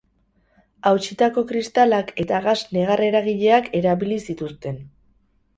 Hautsitako kristalak eta gas negar-eragileak erabili zituzten.